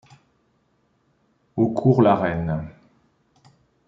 Au Cours-la-Reine.